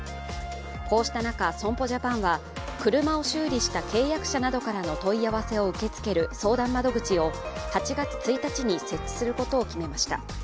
こうした中、損保ジャパンは車を修理した契約者などからの問い合わせを受け付ける相談窓口を８月１日に設置することを決めました。